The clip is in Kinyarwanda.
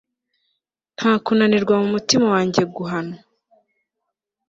Nta kunanirwa mu mutima wanjye guhanwa